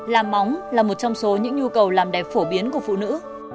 làm móng là một trong số những nhu cầu làm đẹp phổ biến của phụ nữ